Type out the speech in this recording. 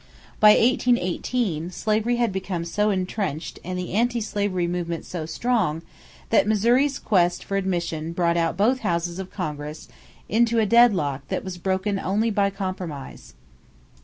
By 1818 slavery had become so entrenched and the anti slavery sentiment so strong, that Missouri's quest for admission brought both houses of Congress into a deadlock that was broken only by compromise.